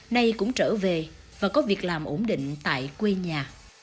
nay cũng trở về và có việc làm ổn định tại quê nhà